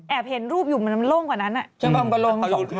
แอบเห็นรูปอยู่มันโล่งกว่านั้นน่ะอืมก็โล่งมันความ